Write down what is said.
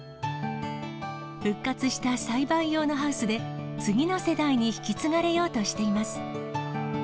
復活した栽培用のハウスで、次の世代に引き継がれようとしています。